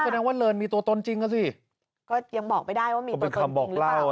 แสดงว่าเลินมีตัวตนจริงอ่ะสิก็ยังบอกไม่ได้ว่ามีตัวตนจริงหรือเปล่า